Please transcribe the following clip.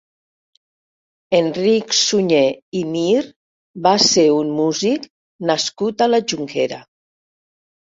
Enric Suñer i Mir va ser un músic nascut a la Jonquera.